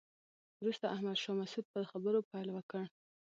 وروسته احمد شاه مسعود په خبرو پیل وکړ.